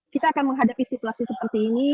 kita akan menghadapi situasi seperti ini